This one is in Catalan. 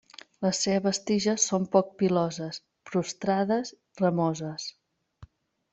Les seves tiges són poc piloses, prostrades, ramoses.